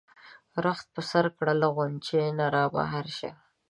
رخت په سر کړه له غُنچې نه را بهر شه.